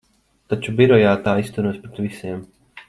Taču birojā tā izturos pret visiem.